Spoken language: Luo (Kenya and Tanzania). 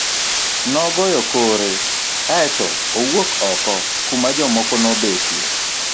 Nogoyo kore kae to owuok oko kuma jomoko nobetie.